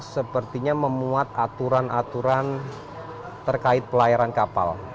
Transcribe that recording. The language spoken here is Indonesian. sepertinya memuat aturan aturan terkait pelayaran kapal